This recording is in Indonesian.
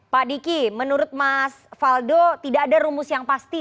pak diki menurut mas faldo tidak ada rumus yang pasti